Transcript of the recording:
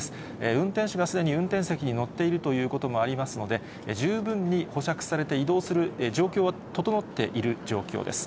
運転手がすでに運転席に乗っているということもありますので、十分に保釈されて移動する状況は整っている状況です。